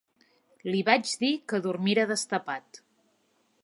Li vaig dir que dormira destapat.